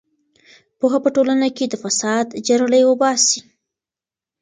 پوهه په ټولنه کې د فساد جرړې وباسي.